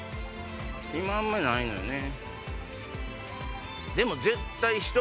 今あんまりないのよね。